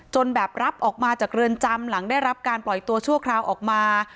แบบรับออกมาจากเรือนจำหลังได้รับการปล่อยตัวชั่วคราวออกมา